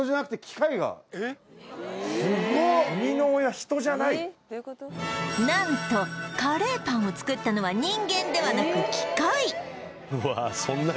すごっ何とカレーパンを作ったのは人間ではなく機械